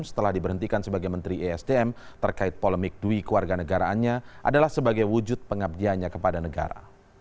setelah diberhentikan sebagai menteri esdm terkait polemik dui keluarga negaraannya adalah sebagai wujud pengabdiannya kepada negara